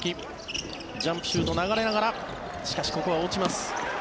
ジャンプシュート、流れながらしかしここは落ちます。